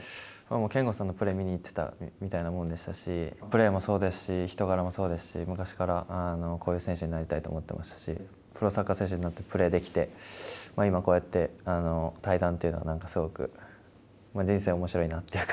憲剛さんのプレーを見に行ってたみたいなものでしたしプレーもそうですし人柄もそうですし昔からこういう選手になりたいと思ってましたしプロサッカー選手になってプレーできて今、こうやって対談というのはなんかすごく人生おもしろいなというか。